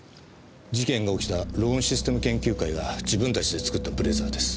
事件が起きたローンシステム研究会が自分たちで作ったブレザーです。